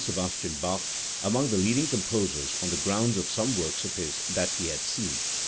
Se bastian Bach", among the leading composers, on the ground of some works of his that he had seen.